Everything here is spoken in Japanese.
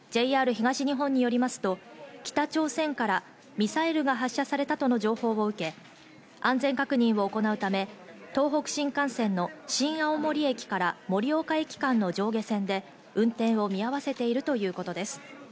ＪＲ東日本によりますと、北朝鮮からミサイルが発射されたとの情報を受け、安全確認を行うため、東北新幹線の新青森駅から盛岡駅間の上下線で運転を見合わせているということです。